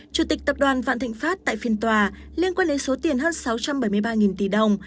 chủ tịch tập đoàn vạn thịnh pháp tại phiên tòa liên quan đến số tiền hơn sáu trăm bảy mươi ba tỷ đồng